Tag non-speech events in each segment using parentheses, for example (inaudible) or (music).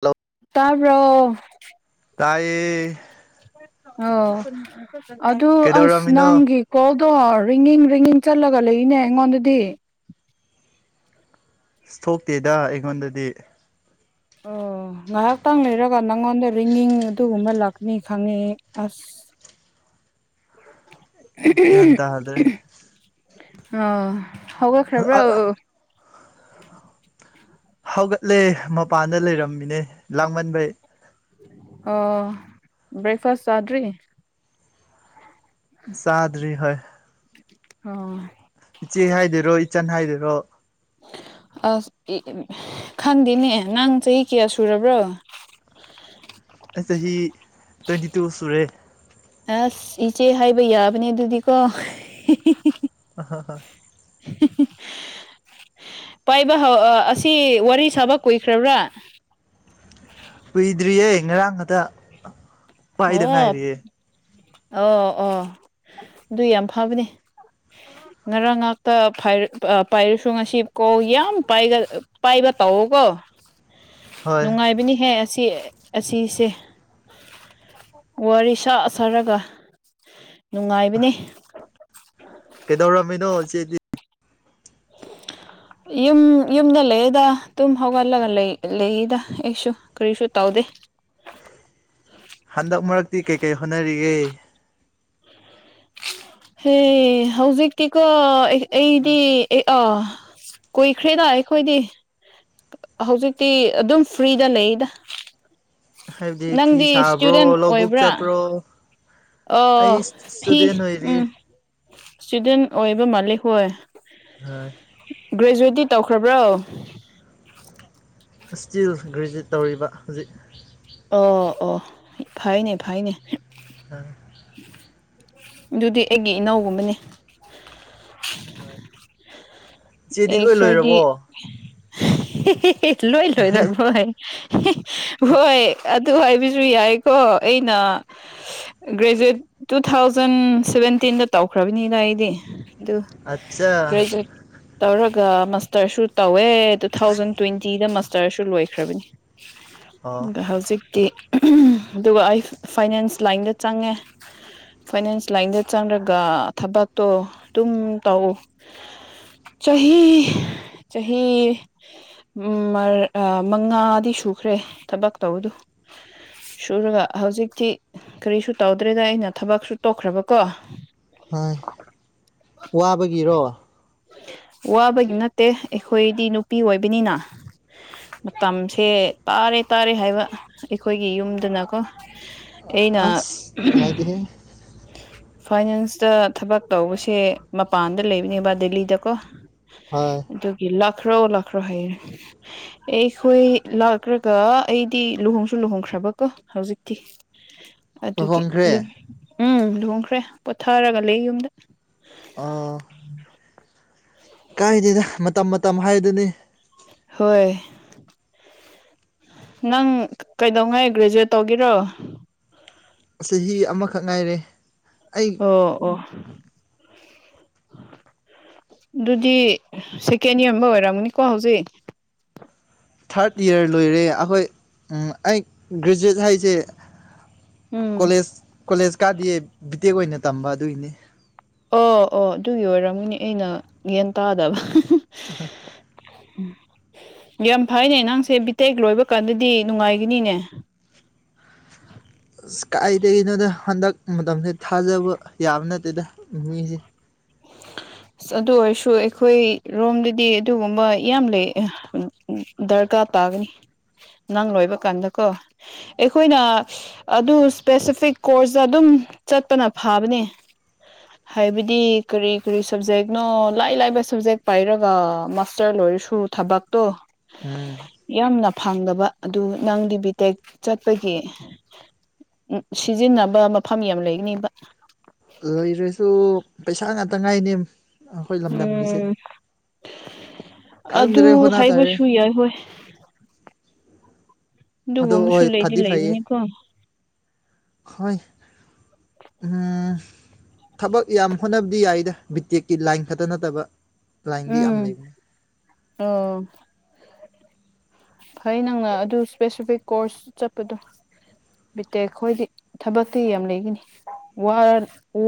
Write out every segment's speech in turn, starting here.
hello ꯇꯥꯕ꯭ꯔꯣ ꯇꯥꯏꯌꯦ ꯑꯣ ꯑꯗꯨ ꯑꯁ ꯀꯩꯗꯧꯔꯝꯃꯤꯅꯣ ꯑꯁ ꯅꯪꯒꯤ ꯀꯣꯜꯗꯣ ꯔꯤꯏꯤꯡ ꯔꯤꯏꯤꯡ ꯆꯠꯂꯒ ꯂꯩꯏꯅꯦ ꯑꯩꯉꯣꯟꯗꯗꯤ ꯏꯁ ꯊꯣꯛꯇꯦꯗ ꯑꯩꯉꯣꯟꯗꯗꯤ ꯑꯣ ꯉꯥꯏꯍꯥꯛꯇꯪ ꯂꯩꯔꯒ ꯅꯪꯉꯣꯟꯗ ꯔꯤꯏꯤꯡ ꯑꯗꯨꯒꯨꯝꯕ ꯂꯥꯛꯀꯥꯅꯤ ꯈꯪꯉꯦ ꯑꯁ ꯒ꯭ꯌꯥꯟ ꯇꯥꯗ꯭ꯔꯦ ꯑꯥ ꯍꯧꯒꯠꯈ꯭ꯔꯕ꯭ꯔꯣ ꯍꯧꯒꯠꯂꯦ ꯃꯄꯥꯟꯗ ꯂꯩꯔꯝꯃꯤꯅꯦ ꯂꯥꯡꯃꯟꯕꯩ ꯑꯣ ꯕ꯭ꯔꯦꯛꯐꯥꯁ ꯆꯥꯗ꯭ꯔꯤ ꯆꯥꯗ꯭ꯔꯤ ꯍꯣꯏ ꯑꯣ ꯏꯆꯦ ꯍꯥꯏꯗꯣꯏꯔꯣ ꯏꯆꯟ ꯍꯥꯏꯗꯣꯏꯔꯣ ꯑꯁ (unintelligible) ꯈꯪꯗꯦꯅꯦ ꯅꯪ ꯆꯍꯤ ꯀꯌꯥ ꯁꯨꯔꯕ꯭ꯔꯣ ꯑꯩ ꯆꯍꯤ ꯇ꯭ꯋꯦꯟꯇꯤ ꯇꯨ ꯁꯨꯔꯦ ꯑꯁ ꯏꯆꯦ ꯍꯥꯏꯕ ꯌꯥꯕꯅꯦ ꯑꯗꯨꯗꯤꯀꯣ (unintelligible) ꯄꯥꯏꯕ ꯍꯧ ꯑꯥ ꯑꯁꯤ ꯋꯥꯔꯤ ꯁꯥꯕ ꯀꯨꯏꯈ꯭ꯔꯕ꯭ꯔꯥ ꯀꯨꯏꯗ꯭ꯔꯤꯌꯦ ꯉꯔꯥꯡ ꯈꯛꯇꯥ ꯑꯣ ꯑꯣ ꯑꯣ ꯑꯗꯨꯏ ꯌꯥꯝ ꯐꯕꯅꯤ ꯎ ꯉꯔꯥꯡ ꯉꯥꯛꯇ ꯐꯥꯏꯔ ꯄꯥꯏꯔꯨ ꯉꯁꯤ ꯀꯣꯜ ꯌꯥꯝ ꯄꯥꯒꯜ ꯑ ꯄꯥꯏꯕ ꯇꯧꯑꯣ ꯀꯣ ꯍꯣꯏ ꯅꯨꯡꯉꯥꯏꯕꯅꯤꯍꯦ ꯑꯁꯤ ꯑꯁꯤꯁꯦ ꯋꯥꯔꯤ ꯁꯥ ꯁꯥꯔꯒ ꯅꯨꯡꯉꯥꯏꯕꯅꯤ ꯀꯩꯗꯧꯔꯥꯝꯃꯤꯅꯣ ꯆꯦꯗꯤ ꯌꯨꯝ ꯌꯨꯝꯗ ꯂꯩꯌꯦꯗ ꯇꯨꯝ ꯍꯧꯒꯠꯂꯒ ꯂꯩ ꯂꯩꯏꯗ ꯑꯩꯁꯨ ꯀꯔꯤꯁꯨ ꯇꯧꯗꯦ ꯍꯟꯗꯛ ꯃꯔꯛꯇꯤ ꯀꯩꯀꯩ ꯍꯣꯠꯅꯔꯤꯌꯦ ꯍꯦ ꯍꯧꯖꯤꯛꯇꯤꯀꯣ ꯑꯩ ꯑꯩꯗꯤ ꯑꯦ ꯑ ꯀꯨꯏꯈ꯭ꯔꯦꯗ ꯑꯩꯈꯣꯏꯗꯤ ꯍꯧꯖꯤꯛꯇꯤ ꯑꯗꯨꯝ ꯐ꯭ꯔꯤꯗ ꯂꯩꯗ ꯍꯥꯏꯕꯗꯤ ꯐꯤ ꯅꯪꯗꯤ ꯁꯥꯕ꯭ꯔꯣ ꯏꯁꯇꯨꯗꯦꯟ ꯂꯧꯕꯨꯛ ꯑꯣꯏꯕ꯭ꯔꯥ ꯆꯠꯄ꯭ꯔꯣ ꯑꯩ ꯑꯣ ꯐꯤ ꯏꯁꯇꯨꯗꯦꯟ ꯑꯣꯏꯔꯤ ꯎꯝ ꯏꯁꯇꯨꯗꯦꯟ ꯑꯣꯏꯕ ꯃꯥꯂꯦ ꯍꯣꯏ ꯍꯥ ꯒ꯭ꯔꯦꯖꯨꯋꯦꯠꯇꯤ ꯇꯧꯈ꯭ꯔꯕ꯭ꯔꯣ ꯏꯁꯇꯤꯜ ꯒ꯭ꯔꯦꯖꯨꯋꯦꯠ ꯇꯧꯔꯤꯕ ꯍꯨꯖꯤꯛ ꯑꯣ ꯑꯣ ꯐꯩꯅꯦ ꯐꯩꯅꯦ (unintelligible) ꯗꯨꯗꯤ ꯑꯩꯒꯤ ꯏꯅꯥꯎꯒꯨꯝꯕꯅꯦ ꯍ‌ꯣꯏ ꯑꯦꯁ ꯍ‌ꯣꯏꯗꯤ ꯂꯣꯏ ꯂꯣꯏꯔꯕꯣ ꯍꯥꯏ ꯍꯣꯏ ꯑꯗꯨ ꯍꯥꯏꯕꯁꯨ ꯌꯥꯏꯀꯣ ꯑꯩꯅ ꯒ꯭ꯔꯦꯖꯨꯋꯦꯠ ꯇꯨ ꯊꯥꯎꯖꯟ ꯁꯚꯦꯟꯇꯤꯟꯗ ꯇꯧꯈ꯭ꯔꯕꯅꯤꯗ ꯑꯩꯗꯤ ꯑꯗꯨ ꯑꯠꯆꯥ ꯒ꯭ꯔꯦꯖꯨꯋꯦꯠ ꯇꯧꯔꯒ ꯃꯥꯁꯇꯔꯁꯨ ꯇꯧꯋꯦ ꯇꯨ ꯊꯥꯎꯖꯟ ꯇ꯭ꯋꯦꯟꯇꯤꯗ ꯃꯥꯁ ꯇꯔꯁꯨ ꯂꯣꯏꯈ꯭ꯔꯕꯅꯤ ꯑꯣ ꯑꯗ ꯍꯧꯖꯤꯛꯇꯤ ꯑꯗꯨꯒ ꯑꯩ ꯐꯥꯏꯅꯥꯟꯁ ꯂꯥꯏꯟꯗ ꯆꯪꯉꯦ ꯐꯥꯏꯅꯥꯟꯁ ꯂꯥꯏꯟꯗ ꯆꯪꯔꯒ ꯊꯕꯛꯇꯣ ꯗꯨꯝ ꯇꯧ ꯆꯍꯤ ꯆꯍꯤ ꯎꯝ ꯃꯔ ꯃꯉꯥꯗꯤ ꯁꯨꯈ꯭ꯔꯦ ꯊꯕꯛ ꯇꯧꯕꯗꯨ ꯁꯨꯔꯒ ꯍꯧꯖꯤꯛꯇꯤ ꯀꯔꯤꯁꯨ ꯇꯧꯗ꯭ꯔꯦꯗ ꯑꯩꯅ ꯊꯕꯛꯁꯨ ꯇꯣꯛꯈ꯭ꯔꯕꯀꯣ ꯍꯣꯏ ꯋꯥꯕꯒꯤꯔꯣ ꯋꯥꯕꯒꯤ ꯅꯠꯇꯦ ꯑꯩꯈꯣꯏꯗꯤ ꯅꯨꯄꯤ ꯑꯣꯏꯕꯅꯤꯅ ꯃꯇꯝꯁꯦ ꯇꯥꯔꯦ ꯇꯥꯔꯦ ꯍꯥꯏꯕ ꯑꯩꯈꯣꯏꯒꯤ ꯌꯨꯝꯗꯨꯅꯀꯣ ꯑꯁ ꯅꯨꯡꯉꯥꯏꯇꯦ ꯍꯦ ꯐꯥꯏꯅꯥꯟꯁꯇ ꯊꯕꯛ ꯇꯧꯕꯁꯦ ꯃꯄꯥꯟꯗ ꯂꯩꯕꯅꯦꯕ ꯗꯦꯜꯂꯤꯗ ꯀꯣ ꯑꯥ ꯑꯗꯨꯒꯤ ꯂꯈ꯭ꯔꯣ ꯂꯈ꯭ꯔꯣ ꯍꯥꯏꯔꯦ ꯑꯩꯈꯣꯏ ꯂꯥꯛꯈ꯭ꯔꯒ ꯑꯩꯗꯤ ꯂꯨꯍꯣꯡꯁꯨ ꯂꯨꯍꯣꯡꯈ꯭ꯔꯕꯀꯣ ꯍꯧꯖꯤꯛꯇꯤ (inaudible) ꯑꯗꯨꯒꯤ ꯌꯨꯝ ꯎꯝ ꯂꯨꯍꯣꯡꯈ꯭ꯔꯦ ꯄꯣꯊꯔꯒ ꯂꯩ ꯌꯨꯝꯗ ꯑꯥ ꯀꯥꯏꯗ‌ꯦꯗ ꯃꯇꯝ ꯃꯇꯝ ꯍꯥꯏꯗꯨꯅꯤ ꯍꯣꯏ ꯅꯪ ꯀꯩꯗꯧꯉꯩ ꯒ꯭ꯔꯦꯖꯨꯋꯦꯠ ꯇꯧꯒ‌ꯦꯔꯣ ꯆꯍꯤ ꯑꯃꯈꯛ ꯉꯥꯏꯔꯦ ꯑꯩ ꯑꯣ ꯑꯣ ꯗꯨꯗꯤ ꯁꯦꯀꯦꯟ ꯏꯌꯔ ꯑꯝꯕ ꯑꯣꯏꯔꯝꯅꯤꯀꯣ ꯍꯧꯖꯤꯛ ꯊꯥꯔꯠ ꯏꯌꯥꯔ ꯂꯣꯏꯔꯦ ꯑꯩꯈꯣꯏ ꯎꯝ ꯑꯩ ꯒ꯭ꯔꯦꯖꯨꯋꯦꯠ ꯍꯥꯏꯁꯦ ꯎꯝ ꯀꯣꯂꯦꯖ ꯀꯣꯂꯦꯖ ꯀꯥꯗꯤꯌ‌ꯦ ꯕꯤꯇꯦꯛ ꯑꯣꯏꯅ ꯇꯝꯕ ꯑꯗꯨꯏꯅꯤ ꯑꯣ ꯑꯣ ꯑꯗꯨꯒꯤ ꯑꯣꯏꯔꯝꯒꯅꯤ ꯑꯩꯅ ꯒ꯭ꯌꯥꯟ ꯇꯥꯗꯕ ꯎꯝ ꯌꯥꯝ ꯐꯩꯅꯦ ꯅꯪꯁꯦ ꯕꯤꯇꯦꯛ ꯂꯣꯏꯕ ꯀꯥꯟꯗꯗꯤ ꯅꯨꯡꯉꯥꯏꯒꯅꯤꯅꯦ ꯑꯁ ꯀꯥꯏꯗꯒꯤꯅꯣꯗ ꯍꯟꯗꯛ ꯃꯇꯝꯁꯦ ꯊꯥꯖꯕ ꯌꯥꯕ ꯅꯠꯇꯦꯗ ꯃꯤꯁꯦ ꯑꯁ ꯑꯗꯨ ꯑꯣꯏꯔꯁꯨ ꯑꯩꯈꯣꯏ ꯔꯣꯝꯗꯗꯤ ꯑꯗꯨꯒꯨꯝꯕ ꯌꯥꯝ ꯂꯩ ꯗꯔꯀꯥꯔ ꯇꯥꯒꯅꯤ ꯅꯪ ꯂꯣꯏꯕ ꯀꯥꯟꯗꯀꯣ ꯑꯩꯈꯣꯏꯅ ꯑꯗꯨ ꯏꯁꯄꯦꯁꯤꯐꯤꯛ ꯀꯣꯔꯁꯗ ꯑꯗꯨꯝ ꯆꯠꯄꯅ ꯐꯕꯅꯦ ꯍꯥꯏꯕꯗꯤ ꯀꯔꯤ ꯀꯔꯤ ꯁꯕꯖꯦꯛꯅꯣ ꯂꯥꯏ ꯂꯥꯏꯕ ꯁꯕꯖꯦꯛ ꯄꯥꯏꯔꯒ ꯃꯥꯁꯇꯔ ꯂꯣꯏꯔꯁꯨ ꯊꯕꯛꯇꯣ ꯎꯝ ꯌꯥꯝꯅ ꯐꯪꯗꯕ ꯑꯗꯨ ꯅꯪꯗꯤ ꯕꯤ ꯇꯦꯛ ꯆꯠꯄꯒꯤ ꯎ ꯁꯤꯖꯤꯟꯅꯕ ꯃꯐꯝ ꯌꯥꯝ ꯂꯩꯒꯅꯤꯕ ꯂꯩꯔꯁꯨ ꯄꯩꯁꯥ ꯉꯥꯛꯇ ꯉꯥꯏꯅꯦ ꯑꯩꯈꯣꯏ ꯂꯝꯗꯝꯒꯤꯁꯦ ꯎꯝ ꯑꯗꯨ ꯈꯪꯗ꯭ꯔꯦ ꯍꯣꯠꯅ ꯇꯥꯔꯦ ꯍꯥꯏꯕꯁꯨ ꯌꯥꯏ ꯍꯣꯏ ꯑꯗꯣ ꯑꯗꯨꯒꯨꯝꯕꯁꯨ ꯍꯣꯏ ꯂꯩꯗꯤ ꯐꯗꯤ ꯐꯩꯌꯦ ꯂꯩꯕꯅꯤꯀꯣ ꯍꯣꯏ ꯑꯝ ꯊꯕꯛ ꯌꯥꯝ ꯍꯣꯠꯅꯕꯗꯤ ꯌꯥꯏꯗ ꯕꯤꯇꯦꯛꯀꯤ ꯂꯥꯏꯟ ꯈꯛꯇ ꯅꯠꯇꯕ ꯂꯥꯏꯟꯗꯤ ꯌꯥꯝ ꯎꯝ ꯂꯩꯕꯅꯦ ꯑꯣ ꯐꯩ ꯅꯪꯅ ꯑꯗꯨ ꯏꯁꯄꯦꯁꯤꯐꯤꯛ ꯀꯣꯔꯁ ꯆꯠꯄꯗꯣ ꯕꯤꯇꯦꯛ ꯈꯣꯏꯗꯤ ꯊꯕꯛꯇꯤ ꯌꯥꯝ ꯂꯩꯒꯅꯤ ꯋꯥ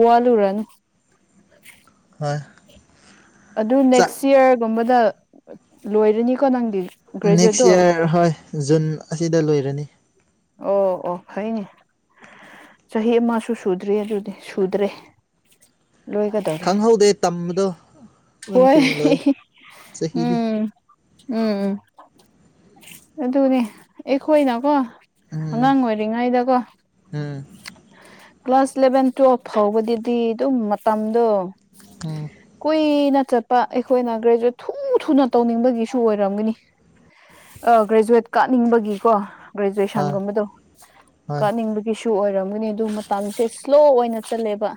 ꯋꯥꯂꯨꯔꯅꯨ ꯍꯣꯏ ꯑꯗꯨ ꯆꯥꯛ ꯅꯦꯛꯁ ꯌꯔꯒꯨꯝꯕꯗ ꯂꯣꯏꯔꯅꯤꯀꯣ ꯅꯪꯗꯤ ꯎꯝ ꯅꯦꯛꯁ ꯒ꯭ꯔꯦꯖꯨꯋꯦꯠꯇꯣ ꯌ꯭ꯔ ꯍꯣꯏ ꯖꯨꯟ ꯑꯁꯤꯗ ꯂꯣꯏꯔꯅꯤ ꯑꯣ ꯑꯣ ꯐꯩꯅꯦ ꯆꯍꯤ ꯑꯃꯁꯨ ꯁꯨꯗ꯭ꯔꯤ ꯑꯗꯨꯗꯤ ꯁꯨꯗ꯭ꯔꯦ ꯂꯣꯏꯒ ꯈꯪꯍꯧꯗꯦ ꯇꯝꯕꯗꯣ ꯑꯗꯨꯝ ꯍꯣꯏ ꯊꯨꯅ ꯂꯣꯏ ꯆꯍꯤꯗꯤ ꯎꯝ ꯎꯝ ꯎꯝ ꯑꯗꯨꯅꯦ ꯑꯩꯈꯣꯏꯅꯀꯣ ꯎꯝ ꯑꯉꯥꯡ ꯑꯣꯏꯔꯤ ꯉꯥꯏꯗꯒꯣ ꯎꯝ ꯀ꯭ꯂꯥꯁ ꯏꯂꯦꯚꯦꯟ ꯇ꯭ꯋꯦꯜꯐ ꯐꯥꯎꯕꯗꯗꯤ ꯑꯗꯨꯝ ꯃꯇꯝꯗꯣ ꯑꯣ ꯀꯨꯏꯅ ꯆꯠꯄ ꯑꯩꯈꯣꯏꯅ ꯒ꯭ꯔꯦꯖꯨꯋꯦꯠ ꯊꯨ ꯊꯨꯅ ꯇꯧꯅꯤꯡꯕꯒꯤꯁꯨ ꯑꯣꯏꯔꯝꯒꯅꯤ ꯑ ꯒ꯭ꯔꯦꯖꯨꯋꯦꯠ ꯀꯥꯅꯤꯡꯕꯒꯤꯀꯣ ꯍꯣꯏ ꯒ꯭ꯔꯦꯖ꯭ꯋꯦꯁꯟꯒꯨꯝꯕꯗꯣ ꯍꯣꯏ ꯀꯥꯅꯤꯡꯕꯒꯤ ꯁꯨ ꯑꯣꯏꯔꯝꯒꯅꯤ ꯑꯗꯨ ꯃꯇꯝꯁꯦ ꯁ꯭ꯂꯣ ꯑꯣꯏꯅ ꯆꯠꯂꯦꯕ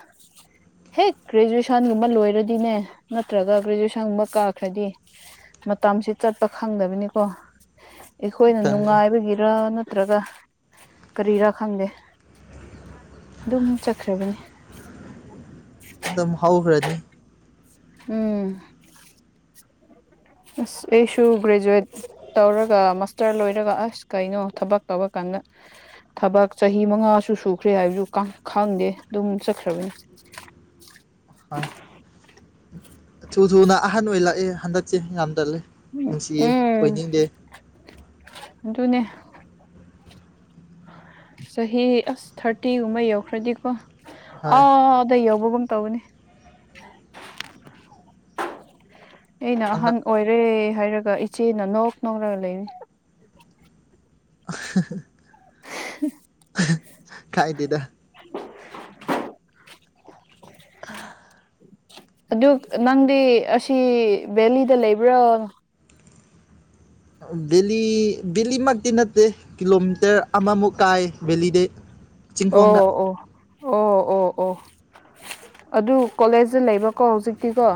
ꯍꯦꯛ ꯒ꯭ꯔꯦꯖꯨꯋꯦꯁꯟꯒꯨꯝꯕ ꯂꯣꯏꯔꯗꯤꯅꯦ ꯅꯠꯇ꯭ꯔꯒ ꯒ꯭ꯔꯦꯖꯨꯋꯦꯁꯟꯒꯨꯝꯕ ꯀꯥꯈ꯭ꯔꯗꯤ ꯃꯇꯝꯁꯤ ꯆꯠꯄ ꯈꯪꯗꯕꯅꯤꯀꯣ ꯑꯩꯈꯣꯏꯅ ꯈꯪꯉꯦ ꯅꯨꯡꯉꯥꯏꯕꯒꯤꯔ ꯅꯠꯇ꯭ꯔꯒ ꯀꯔꯤꯔꯥ ꯈꯪꯗꯦ ꯑꯗꯨꯝ ꯆꯠꯈ꯭ꯔꯕꯅꯦ ꯑꯗꯨꯝ ꯍꯧꯈ꯭ꯔꯅꯤ ꯎꯝ (inaudible) ꯑ ꯑꯩꯁꯨ ꯒ꯭ꯔꯦꯖꯨꯋꯌꯦꯠ ꯇꯧꯔꯒ ꯃꯥꯁꯇꯔ ꯂꯣꯏꯔꯒ ꯑꯁ ꯀꯩꯅꯣ ꯊꯕꯛ ꯇꯧꯔ ꯀꯥꯟꯗ ꯊꯕꯛ ꯆꯍꯤ ꯃꯉꯥꯁꯨ ꯁꯨꯈ꯭ꯔꯦ ꯍꯥꯏꯕꯁꯨ ꯈꯪꯗꯦ ꯑꯗꯨꯝ ꯆꯠꯈ꯭ꯔꯕꯅꯤ ꯍꯣꯏ ꯊꯨ ꯊꯨꯅ ꯑꯍꯟ ꯑꯣꯏ ꯂꯛꯑꯦ ꯍꯟꯗꯛꯁꯦ ꯌꯥꯝꯗꯜꯂꯦ ꯅꯨꯡꯁꯤꯌꯦ ꯎꯝ ꯑꯣꯏꯅꯤꯡꯗꯦ ꯑꯗꯨꯅꯦ ꯆꯍꯤ ꯑꯁ ꯊꯥꯔꯇꯤꯒꯨꯝꯕ ꯌꯧꯈ꯭ꯔꯗꯤꯀꯣ ꯍꯣꯏ ꯑꯥꯗ ꯌꯧꯕꯒꯨꯝ ꯇꯧꯕꯅꯤ ꯑꯩꯅ ꯑꯉꯛ ꯑꯍꯟ ꯑꯣꯏꯔꯦ ꯍꯥꯏꯔꯒ ꯏꯆꯦꯅ ꯅꯣꯛ ꯅꯣꯛꯔꯒ ꯂꯩꯕꯅꯦ (inaudible) (inaudible) ꯀꯥꯏꯗꯦꯗ (inaudible) ꯀꯥ ꯑꯗꯨ ꯅꯪꯗꯤ ꯑꯁꯤ ꯕꯦꯂꯤꯗ ꯂꯩꯕ꯭ꯔꯣ ꯕꯦꯂꯤ ꯕꯦꯂꯤ ꯃꯛꯇꯤ ꯅꯠꯇꯦ ꯀꯤꯂꯣꯃꯤꯇꯔ ꯑꯃꯃꯨꯛ ꯀꯥꯏ ꯕꯦꯂꯤꯗꯩ ꯑꯣ ꯑꯣ ꯑꯣ ꯑꯣ ꯑꯣ ꯑꯣ ꯑꯗꯨ ꯀꯣꯂꯦꯖꯇ ꯂꯩꯕꯀꯣ ꯍꯧꯖꯤꯛꯇꯤꯀꯣ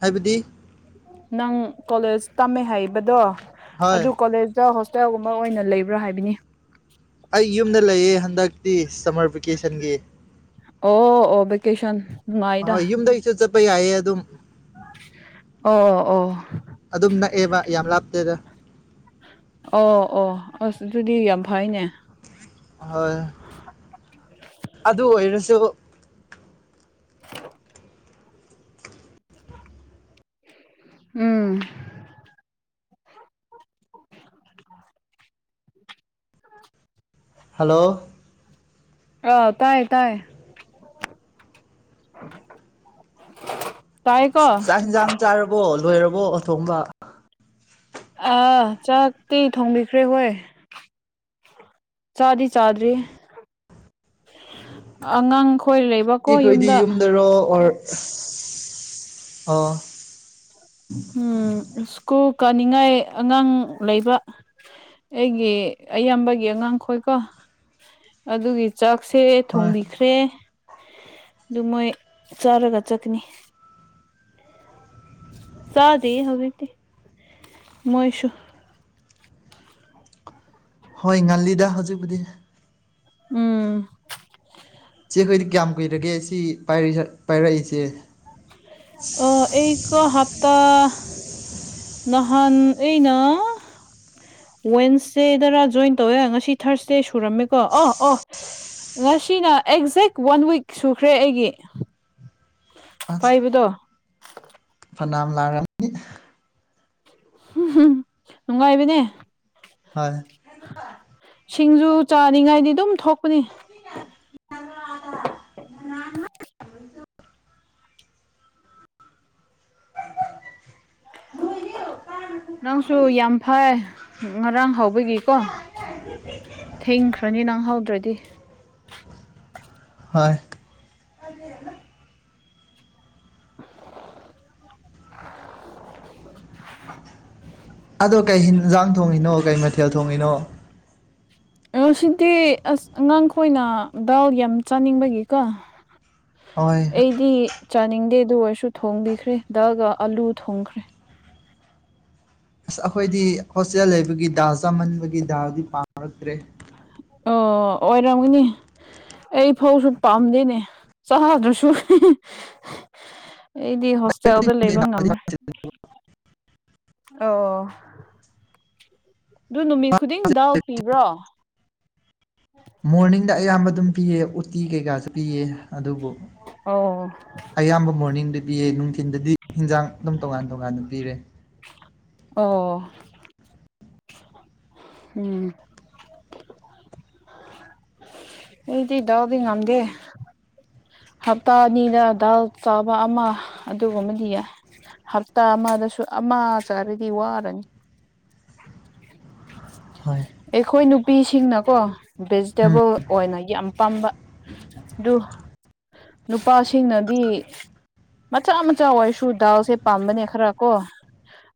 ꯍꯥꯏꯕꯗꯤ ꯅꯪ ꯀꯣꯂꯦꯖ ꯇꯝꯃꯦ ꯍꯥꯏꯕꯗꯣ ꯍꯣꯏ ꯑꯗꯨ ꯀꯣꯂꯦꯖ ꯍꯣꯁꯇꯦꯜꯒꯨꯝꯕ ꯑꯣꯏꯅ ꯂꯩꯕ꯭ꯔꯥ ꯍꯥꯏꯕꯅꯤ ꯑꯩ ꯌꯨꯝꯗ ꯂꯩꯌꯦ ꯍꯟꯗꯛꯇꯤ ꯁꯝꯃꯔ ꯚꯦꯀꯦꯁꯟꯒꯤ ꯑꯣ ꯑꯣ ꯕꯀꯦꯁꯟ ꯥꯍꯣꯏ ꯌꯨꯝꯗꯩꯁꯨ ꯆꯠꯄꯩ ꯌꯥꯏꯌꯦ ꯑꯗꯨꯝ ꯑꯣ ꯑꯣ ꯑꯗꯨꯝ ꯅꯛꯑꯦꯕ ꯌꯥꯝ ꯂꯥꯞꯇꯦꯗ ꯑꯣ ꯑꯣ ꯑꯁ ꯑꯗꯨꯗꯤ ꯌꯥꯝ ꯐꯩꯅꯦ ꯍꯣꯏ ꯑꯗꯨ ꯑꯣꯏꯔꯁꯨ (inaudible) ꯎ (inaudible) ꯎꯝ ꯍꯦꯜꯂꯣ ꯑꯥ ꯇꯥꯏꯌꯦ ꯇꯥꯏꯌꯦ ꯆꯥꯛ ꯍꯤꯟꯁꯥꯡ ꯆꯥꯔꯕꯣ ꯂꯣꯏꯔꯕꯣ ꯊꯣꯡꯕ ꯑꯥ ꯆꯥꯛꯇꯤ ꯊꯣꯡꯕꯤꯈ꯭ꯔꯦ ꯑꯩꯈꯣꯏ ꯆꯥꯗꯤ ꯆꯥꯗ꯭ꯔꯤ ꯑꯉꯥꯡꯈꯣꯏ ꯂꯩꯕ ꯑꯩꯈꯣꯏꯗꯤ ꯌꯨꯝꯗꯔꯣ ꯑꯣꯔ ꯑꯥ ꯎꯝ ꯁ꯭ꯀꯨꯜ ꯀꯥꯅꯤꯡꯉꯥꯏ ꯑꯉꯥꯡ ꯂꯩꯕ ꯑꯩꯒꯤ ꯏꯌꯥꯝꯕꯒꯤ ꯑꯉꯥꯡꯈꯣꯏꯀꯣ ꯑꯗꯨꯒꯤ ꯆꯥꯛꯁꯦ ꯊꯣꯡꯕꯤ ꯍꯣꯏ ꯊꯣꯡꯕꯤꯈ꯭ꯔꯦ ꯑꯗꯨ ꯃꯣꯏ ꯆꯥꯔꯒ ꯆꯠꯀꯅꯤ ꯆꯗꯦ ꯍꯧꯖꯤꯛꯇꯤ ꯃꯣꯏꯁꯨ ꯍꯣꯏ ꯉꯜꯂꯤꯗ ꯍꯧꯖꯤꯛꯄꯨꯗꯤ ꯎꯝ ꯆꯦ ꯈꯣꯏꯗꯤ ꯀꯌꯥꯝ ꯀꯨꯏꯔꯒꯦ ꯁꯤ ꯄꯥꯏꯔꯛꯏꯁꯦ ꯑꯥ ꯑꯩꯀꯣ ꯍꯞꯇꯥ ꯅꯍꯥꯟ ꯑꯩꯅ ꯋꯦꯗꯅꯁꯗꯦꯗꯔꯥ ꯖꯣꯏꯟ ꯇꯧꯋꯦ ꯉꯁꯤ ꯊꯥꯔꯁꯗꯦ ꯁꯨꯔꯝꯃꯦꯀꯣ ꯑ ꯑꯣ ꯉꯁꯤꯅ ꯑꯩ ꯍꯧꯖꯤꯛ ꯋꯥꯟ ꯋꯤꯛ ꯁꯨꯈ꯭ꯔꯦ ꯑꯩꯒꯤ ꯑꯁ ꯄꯥꯏꯕꯗꯣ ꯐꯅꯥꯝ ꯂꯥꯛꯑꯝꯅꯤ ꯅꯨꯡꯉꯥꯏꯕꯅꯦ ꯍꯣꯏ ꯁꯤꯡꯖꯨ ꯆꯥꯅꯤꯡꯉꯥꯏꯗꯤ ꯑꯗꯨꯝ ꯊꯣꯛꯄꯅꯤ (inaudible) (unintelligible) ꯅꯪꯁꯨ ꯌꯥꯝ ꯐꯏ ꯉꯔꯥꯡ ꯍꯧꯕꯒꯤꯀꯣ ꯊꯦꯡꯈ꯭ꯔꯅꯤ ꯅꯪ ꯍꯧꯗ꯭ꯔꯗꯤ ꯍꯣꯏ ꯑꯗꯣ ꯀꯩ ꯍꯦꯟꯖꯥꯡ ꯊꯣꯡꯉꯤꯅꯣ ꯀꯩ ꯃꯊꯦꯜ ꯊꯣꯡꯉꯤꯅꯣ ꯉꯥꯁꯤꯗꯤ ꯑꯁ ꯑꯉꯥꯡꯈꯣꯏꯅ ꯗꯥꯜ ꯌꯥꯝ ꯆꯥꯅꯤꯡꯕꯒꯤꯀꯣ ꯍꯣꯏ ꯑꯩꯗꯤ ꯆꯥꯅꯤꯡꯗꯦ ꯑꯗꯨ ꯑꯣꯏꯔꯁꯨ ꯊꯣꯡꯕꯤꯈ꯭ꯔꯦ ꯗꯜꯒꯥ ꯑꯂꯨ ꯊꯣꯡꯈ꯭ꯔꯦ ꯑꯁ ꯑꯩꯈꯣꯏꯗꯤ ꯍꯣꯁꯇꯦꯜ ꯂꯩꯕꯒꯤ ꯗꯥꯜ ꯆꯥꯃꯟꯕꯒꯤ ꯗꯥꯜꯗꯤ ꯄꯥꯝꯔꯛꯇ꯭ꯔꯦ ꯑꯣ ꯑꯣꯏꯔꯝꯒꯅꯤ ꯑꯩ ꯐꯧꯁꯨ ꯄꯥꯝꯗꯦꯅꯦ ꯆꯗ꯭ꯔꯁꯨ ꯑꯩꯗꯤ ꯍꯣꯁꯇꯦꯜꯗ ꯂꯩꯕ ꯉꯝꯔꯣꯏ ꯑꯣ ꯑꯗꯨ ꯅꯨꯃꯤꯠ ꯈꯨꯗꯤꯡ ꯗꯜ ꯄꯤꯕ꯭ꯔꯣ ꯃꯣꯔꯅꯤꯡꯗ ꯑꯌꯥꯝꯕ ꯑꯗꯨꯝ ꯄꯤꯌꯦ ꯎꯇꯤ ꯀꯩꯀꯥꯁꯤꯗꯤ ꯑꯗꯨꯕꯨ ꯑꯣ ꯑꯌꯥꯝꯕ ꯃꯣꯔꯅꯤꯡꯗ ꯄꯤꯌꯦ ꯅꯨꯡꯊꯤꯟꯗꯗꯤ ꯍꯤꯟꯖꯥꯡ ꯑꯗꯨꯝ ꯇꯣꯉꯥꯟ ꯇꯣꯉꯥꯟꯅ ꯄꯤꯔꯦ ꯑꯣ ꯎꯝ ꯑꯩꯗꯤ ꯗꯥꯜ ꯗꯤ ꯉꯝꯗꯦ ꯍꯞꯇꯥ ꯑꯅꯤꯗ ꯗꯥꯜ ꯆꯥꯕ ꯑꯃ ꯑꯗꯨꯒꯨꯝꯕꯗꯤ ꯌꯥꯏ ꯍꯞꯇꯥ ꯑꯃꯗꯁꯨ ꯑꯃ ꯆꯥꯔꯗꯤ ꯋꯥꯔꯦ (inaudible) ꯍꯣꯏ ꯑꯩꯈꯣꯏ ꯅꯨꯄꯤꯁꯤꯡꯅꯀꯣ ꯎꯝ ꯚꯦꯖꯤꯇꯦꯕꯜ ꯑꯣꯏꯅ ꯌꯥꯝ ꯄꯥꯝꯕ ꯑꯗꯨ ꯅꯨꯄꯥꯁꯤꯡꯅꯗꯤ ꯃꯆꯥ ꯃꯆꯥ ꯑꯣꯏꯔꯁꯨ ꯗꯥꯜꯁꯦ ꯄꯥꯝꯕꯅꯦ ꯈꯔ ꯀꯣ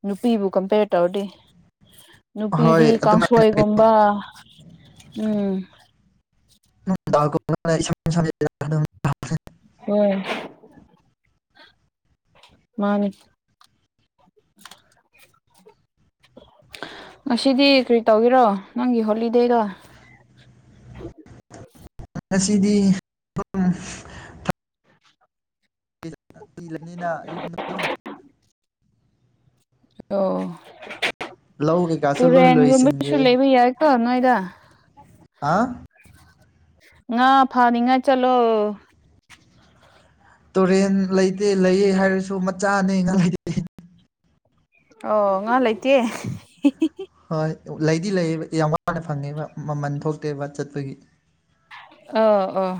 ꯅꯨꯄꯤꯕꯨ ꯀꯝꯄꯦꯔ ꯇꯧꯔꯗꯤ ꯍꯣꯏ ꯅꯨꯄꯤꯗꯤ ꯑꯗꯨꯃꯥꯏꯅ ꯀꯥꯡꯁꯣꯏꯒꯨꯝꯕ ꯎꯝ ꯑꯗꯨꯝ ꯗꯜꯒꯨꯝꯕꯅꯥ ꯏꯁꯝ ꯁꯝꯃꯦꯗꯥ ꯍꯣꯏ ꯝꯟꯅꯤ ꯉꯁꯤꯗꯤ ꯀ꯭ꯔꯤ ꯇꯧꯒꯦꯔꯣ ꯅꯪꯒꯤ ꯍꯣꯂꯤꯗꯦꯗꯣ ꯉꯁꯤꯗꯤ ꯇꯨꯝ ꯇꯨꯝꯂꯅꯤꯗꯥ ꯌꯨꯝꯗ ꯑꯗꯨꯝ ꯑꯣ ꯂꯧ ꯀꯩꯀꯥꯁꯨ ꯂꯣꯏ ꯇꯨꯔꯦꯟꯒꯨꯝꯕꯗꯨꯁꯨ ꯂꯣꯏꯁꯤꯟꯈ꯭ꯔꯦ ꯂꯩꯕ ꯌꯥꯏꯀꯣ ꯅꯣꯏꯗ ꯍꯥ ꯉꯥ ꯐꯥꯅꯤꯉꯥꯏ ꯆꯠꯂꯣ ꯇꯨꯔꯦꯟ ꯂꯩꯗꯤ ꯂꯩꯌꯦ ꯍꯥꯏꯔꯁꯨ ꯃꯆꯥꯅꯤ ꯅꯪꯒꯤ ꯑꯣ ꯉꯥ ꯂꯩꯇꯦ ꯍꯣꯏ ꯂꯩꯗꯤ ꯂꯩꯌꯦꯕ ꯌꯥꯝ ꯋꯥꯅ ꯐꯪꯉꯦꯕ ꯃꯃꯟ ꯊꯣꯛꯇꯦꯕ ꯆꯠꯄꯒꯤ ꯑꯣ ꯑꯣ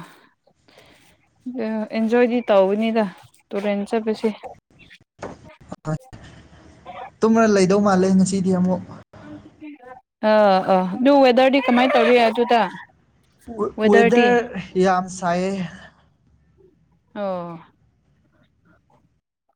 ꯑꯦꯟꯖꯣꯏꯗꯤ ꯇꯧꯒꯅꯤꯗ ꯇꯨꯔꯦꯟ ꯆꯠꯄꯁꯦ ꯇꯨꯝꯔ ꯂꯩꯗꯧ ꯃꯥꯜꯂꯦ ꯉꯁꯤꯗꯤ ꯑꯃꯨꯛ ꯑꯎ ꯑꯎ ꯑꯗꯨ ꯋꯦꯗꯔꯗꯤ ꯀꯃꯥꯏꯅ ꯇꯧꯔꯤ ꯑꯗꯨꯗ ꯋꯦꯗꯔꯗꯤ ꯋꯦꯗꯔ ꯌꯥꯝ ꯁꯥꯏꯌꯦ ꯑꯣ